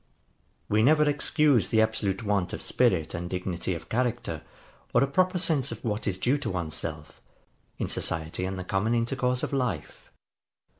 ] We never excuse the absolute want of spirit and dignity of character, or a proper sense of what is due to one's self, in society and the common intercourse of life.